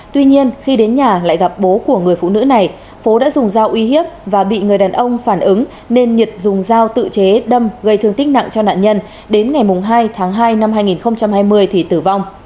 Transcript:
tuy nhiên khi đến nhà lại gặp bố của người phụ nữ này phú đã dùng dao uy hiếp và bị người đàn ông phản ứng nên nhật dùng dao tự chế đâm gây thương tích nặng cho nạn nhân đến ngày hai tháng hai năm hai nghìn hai mươi thì tử vong